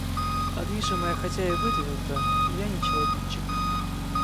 А движимое хотя и выдвинуто, я не челобитчик.